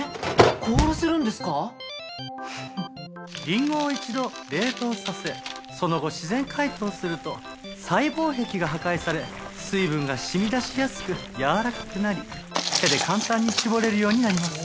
リンゴを一度冷凍させその後自然解凍すると細胞壁が破壊され水分が染み出しやすくやわらかくなり手で簡単に搾れるようになります。